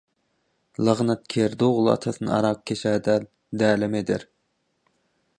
Lagnatkerde ogul atasyny arakkeş-ä däl, dälem eder.